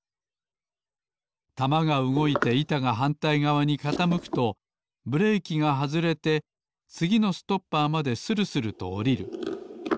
玉がうごいていたがはんたいがわにかたむくとブレーキがはずれてつぎのストッパーまでするするとおりる。